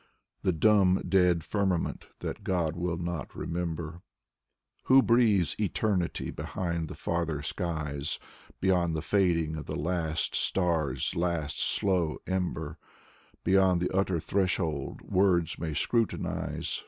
The dumb, dead firmament — ^that God will not remember, Who breathes Eternity behind the farther skies, Beyond the fading of the last star's last slow ember, Beyond the utter threshold words may scrutinize.